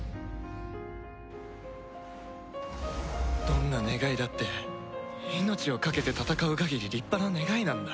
どんな願いだって命をかけて戦う限り立派な願いなんだ。